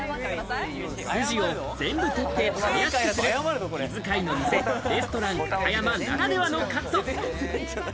筋を全部取って噛みやすくする気遣いの店、レストランカタヤマならではのカット。